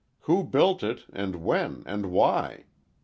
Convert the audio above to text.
Who built it and when and why?